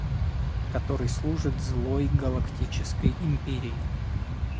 который служит злой Галактической Империи.